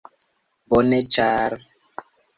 Bone ĉar...